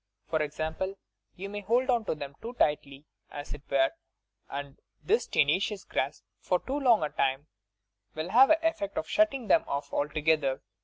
For example: Tou may hold on to them too tightly, as it were, and this tenacious grasp for too long a time will have the effect of shutting them off altogether.